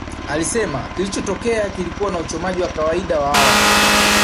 Alisema kilichotokea kilikuwa ni uchomaji wa kawaida wa awali